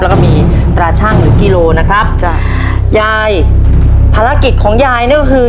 แล้วก็มีตราชั่งหรือกิโลนะครับจ้ะยายภารกิจของยายนี่ก็คือ